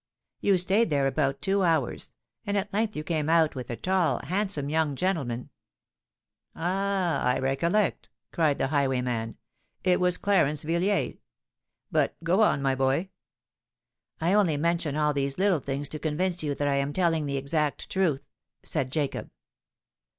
You stayed there about two hours; and at length you came out with a tall, handsome young gentleman——" "Ah! I recollect!" cried the highwayman: "it was Clarence Villiers. But go on, my boy." "I only mention all these little things to convince you that I am telling the exact truth," said Jacob.